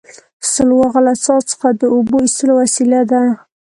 سلواغه له څا څخه د اوبو ایستلو وسیله ده